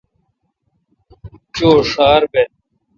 چھو ڄھار بہ۔